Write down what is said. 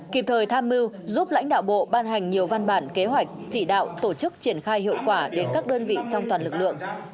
kịp thời tham mưu giúp lãnh đạo bộ ban hành nhiều văn bản kế hoạch chỉ đạo tổ chức triển khai hiệu quả đến các đơn vị trong toàn lực lượng